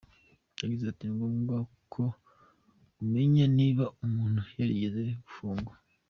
Yagize ati” Ningombwa ko umenya niba umuntu yarigeze gufungwa.